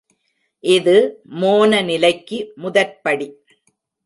இது மோன நிலைக்கு முதற்படி.